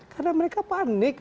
karena mereka panik